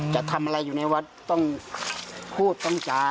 จะทำอะไรอยู่ในวัดต้องพูดต้องจา